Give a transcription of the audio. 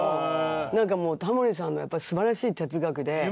なんかもうタモリさんのやっぱり素晴らしい哲学で。